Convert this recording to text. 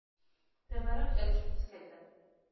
მდებარეობს ერუშეთის ქედზე.